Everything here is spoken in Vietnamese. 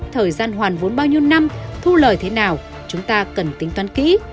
thời gian hoàn vốn bao nhiêu năm thu lời thế nào chúng ta cần tính toán kỹ